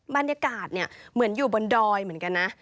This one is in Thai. บรรยากาศเนี่ยเหมือนอยู่บนดอยเหมือนกันนะ